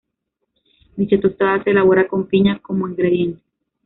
Dicha tostada se elabora con piña como ingrediente.